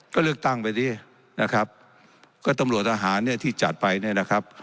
ก็เลือกตั้งไปสินะครับก็ตำรวจทหารเนี่ยที่จัดไปเนี่ยนะครับ